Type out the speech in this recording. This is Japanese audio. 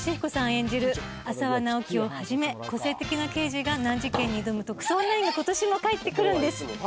演じる浅輪直樹をはじめ個性的な刑事が難事件に挑む『特捜９』が今年も帰ってくるんです。